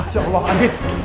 ya allah andin